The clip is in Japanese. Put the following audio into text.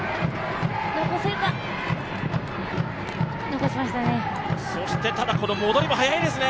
残しましたね。